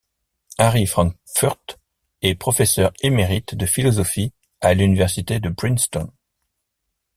Harry Frankfurt est professeur émérite de philosophie à l'Université de Princeton.